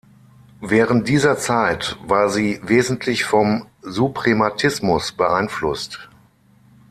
Während dieser Zeit war sie wesentlich vom Suprematismus beeinflusst.